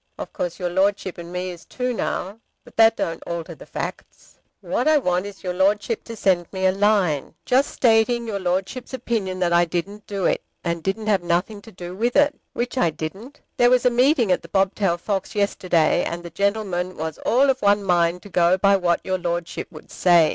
Of course your Lordship and me is two now; but that don't alter the facts. What I want is your Lordship to send me a line, just stating your Lordship's opinion that I didn't do it, and didn't have nothing to do with it; which I didn't. There was a meeting at The Bobtailed Fox yesterday, and the gentlemen was all of one mind to go by what your Lordship would say.